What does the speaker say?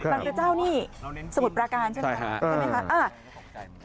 บังเกอร์เจ้านี่สมุทรประการใช่ไหมครับ